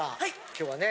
今日はね。